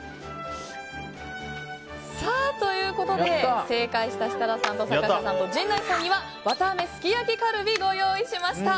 ということで正解した設楽さんと坂下さんと陣内さんにはわたあめすき焼きカルビをご用意しました。